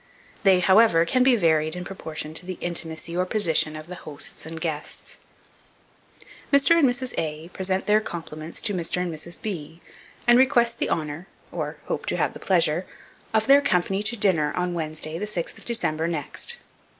They, however, can be varied in proportion to the intimacy or position of the hosts and guests: Mr. and Mrs. A present their compliments to Mr. and Mrs. B , and request the honour, [or hope to have the pleasure] of their company to dinner on Wednesday, the 6th of December next.